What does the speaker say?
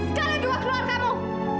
sekali dua keluar kamu